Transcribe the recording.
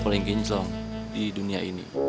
paling kinzong di dunia ini